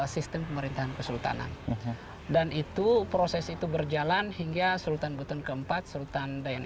sistem pemerintahan kesultanan dan itu proses itu berjalan hingga sultan buton keempat sultan daya